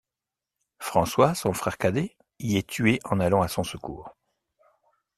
François, son frère cadet, y est tué en allant à son secours.